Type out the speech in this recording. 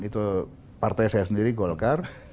itu partai saya sendiri golkar